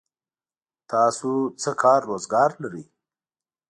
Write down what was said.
تاسو څه کار روزګار لرئ؟